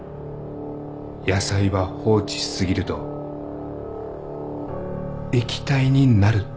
野菜ば放置し過ぎると液体になるって。